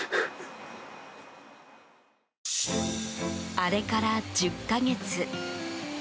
あれから１０か月。